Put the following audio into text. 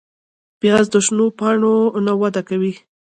پیاز د شنو پاڼو نه وده کوي